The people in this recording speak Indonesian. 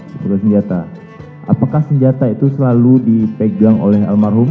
sepuluh senjata apakah senjata itu selalu dipegang oleh almarhum